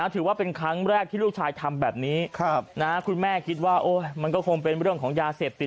ถือว่าเป็นครั้งแรกที่ลูกชายทำแบบนี้คุณแม่คิดว่ามันก็คงเป็นเรื่องของยาเสพติด